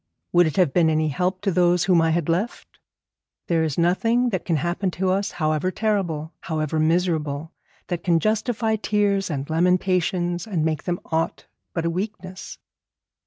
Would it have been any help to those whom I had left? There is nothing that can happen to us, however terrible, however miserable, that can justify tears and lamentations and make them aught but a weakness.'